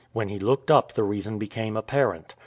When he looked up the reason became apparent.